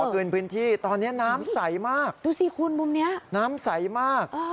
คืนพื้นที่ตอนนี้น้ำใสมากดูสิคุณมุมนี้น้ำใสมาก